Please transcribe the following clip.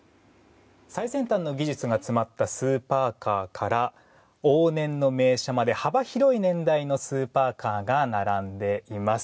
最先端の技術が詰まったスーパーカーから往年の名車まで幅広い年代のスーパーカーが並んでいます。